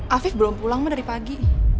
afif belum pulang mah dari pagi